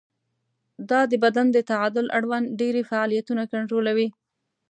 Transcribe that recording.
دا د بدن د تعادل اړوند ډېری فعالیتونه کنټرولوي.